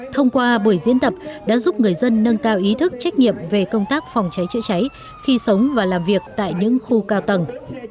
thông qua buổi diễn tập đã giúp người dân nâng cao ý thức trách nhiệm về công tác phòng cháy chữa cháy khi sống và làm việc tại những khu cao tầng